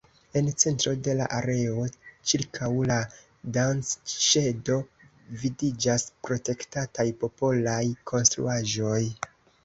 En centro de la areo, ĉirkaŭ la"Dancŝedo" vidiĝas protektataj popolaj konstruaĵoj.